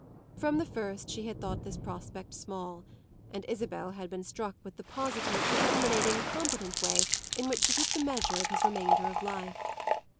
From the first she had thought this prospect small, and Isabel had been struck with the positive, discriminating, competent way in which she took the measure of his remainder of life.